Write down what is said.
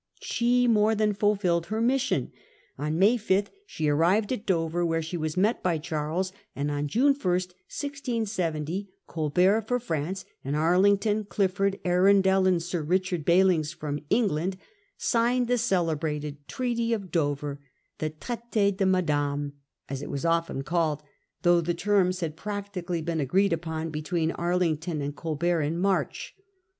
She more than fulfilled her mission. On May 5 she arrived at Dover, where she was of Dover, met by Charles ; and on June i, 1670, Colbert 1670, June x. f or France, and Arlington, Clifford, Arundel, and Sir Richard Belings for England, signed the cele brated Treaty of Dover, ihe 'Traitd de Madame,' as it was often called, though the terms had practically been agreed upon between Arlington and Colbert in March.